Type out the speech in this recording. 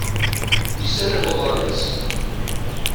Iserreḥ uḍar-is.